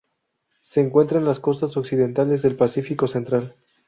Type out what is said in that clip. Se encuentra en las costas occidentales del Pacífico central.